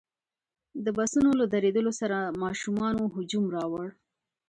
د بسونو له درېدلو سره ماشومانو هجوم راوړ.